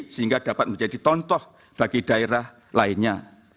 sehingga dapat menjadi contoh bagi daerah lainnya